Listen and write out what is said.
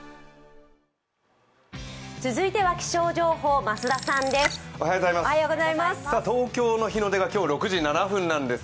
続いては気象情報、増田さんです。